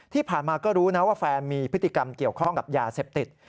ที่ผ่านมาก็รู้นะว่าแฟนมีพฤติกรรมเกี่ยวข้องกับยาเสพติด